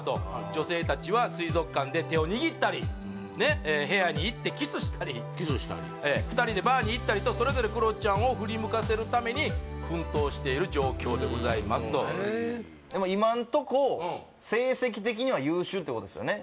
女性達は水族館で手を握ったり部屋に行ってキスしたり２人でバーに行ったりとそれぞれクロちゃんを振り向かせるために奮闘している状況でございますとでも今んとこ成績的には優秀ってことですよね